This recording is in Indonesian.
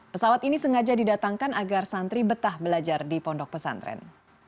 pesawat ini sengaja didatangkan agar santri betah belajar di pondok pesantren